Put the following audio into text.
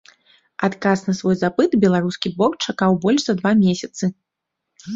Адказ на свой запыт беларускі бок чакаў больш за два месяцы.